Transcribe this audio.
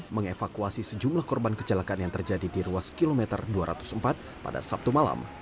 mengevakuasi sejumlah korban kecelakaan yang terjadi di ruas kilometer dua ratus empat pada sabtu malam